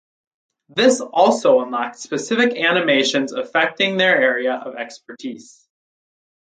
This also unlocks specific animations affecting their area of expertise.